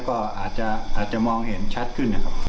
ก็อาจจะมองเห็นชัดขึ้น